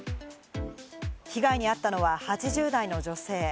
被害に遭ったのは８０代の女性。